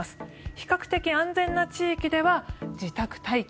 比較的安全な地域では自宅待機。